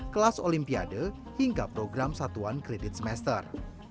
kelas olimpiade hingga program satuan kredit semester